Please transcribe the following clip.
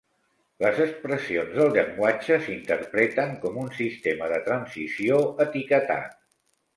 Les expressions del llenguatge s'interpreten com un sistema de transició etiquetat.